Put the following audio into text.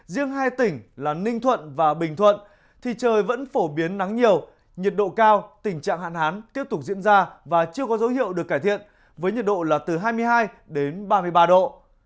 riêng hai tỉnh là ninh thuận và bình thuận thì trời vẫn phổ biến nắng nhiều nhiệt độ cao tình trạng hạn hán tiếp tục diễn ra và chưa có dấu hiệu được cải thiện với nhiệt độ là từ hai mươi hai đến ba mươi ba độ